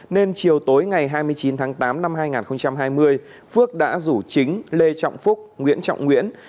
nên chiều tối ngày hai mươi chín tháng tám năm hai nghìn hai mươi phước đã rủ chính lê trọng phúc nguyễn trọng nguyễn